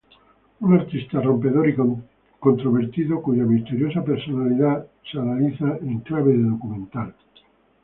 Un artista rompedor y controvertido cuya misteriosa personalidad es analizada en clave de documental.